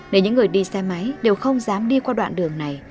nên những người đi xe máy đều không dám đi qua đoạn đường này